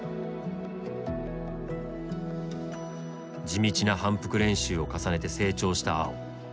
地道な反復練習を重ねて成長した碧。